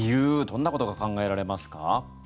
どんなことが考えられますか？